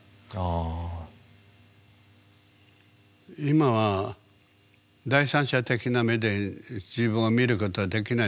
今は第三者的な目で自分を見ることはできないでしょ？